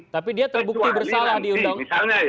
tapi dia terbukti bersalah di undang undang